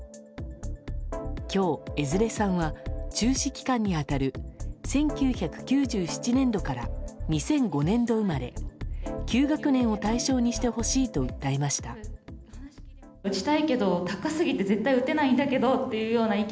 今日、江連さんは中止期間に当たる１９９７年度から２００５年度生まれ９学年を対象にしてほしいと訴えました。